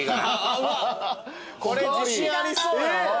これ自信ありそうよ。